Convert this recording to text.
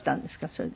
それで。